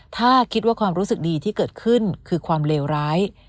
ถ้าคิดว่าความรู้สึกดีที่เกิดขึ้นคือความเลวร้าย